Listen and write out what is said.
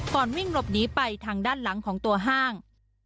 วิ่งหลบหนีไปทางด้านหลังของตัวห้าง